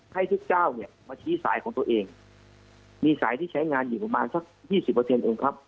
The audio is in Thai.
ให้ทุกเจ้าเนี่ยมาชี้สายของตัวเองมีสายที่ใช้งานอยู่ประมาณสัก๒๐เองครับ